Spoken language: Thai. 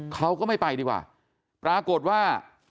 เขาก็ไม่ไปดีกว่าปรากฏว่า